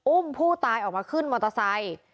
อุ้มผู้ตายออกมาขึ้นมอเตอร์ไซค์